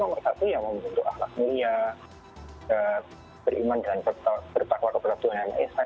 nomor satu yang membentuk ahlak mulia beriman dan bertakwa kepada tuhan yang maha esa